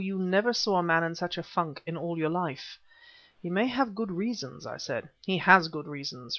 you never saw a man in such a funk in all your life!" "He may have good reasons," I said. "He has good reasons!"